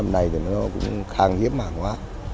một hàng hiếp màng hóa